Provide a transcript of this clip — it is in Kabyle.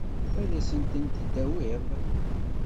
Ad asent-tent-id-tawiḍ?